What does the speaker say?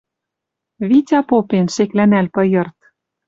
Витя попен, шеклӓнӓл пыйырт: